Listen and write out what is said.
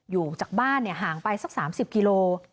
อยู่จากบ้านห่างไปสัก๓๐กิโล